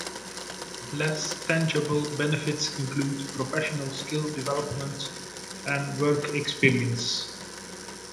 Less tangible benefits include professional skill development and work experience.